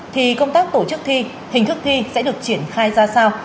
thì công tác tổ chức thi hình thức thi sẽ được triển khai ra sao